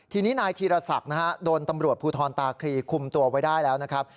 ทีนี้นายธีรศักดิ์นะฮะโดนตำรวจภูทรตาคลีคุมตัวไว้ได้แล้วนะครับ